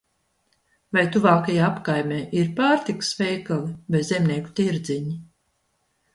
Vai tuvākajā apkaimē ir pārtikas veikali vai zemnieku tirdziņi?